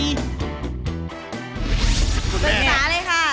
คุณแม่เป็นสาเลยค่ะ